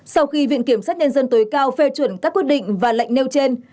sau khi viện kiểm sát nhân dân tối cao phê chuẩn các quyết định và lệnh nêu trên